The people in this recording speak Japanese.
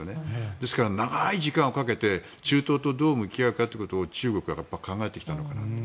ですから、長い時間をかけて中東とどう向き合うか中国は考えてきたのかなと。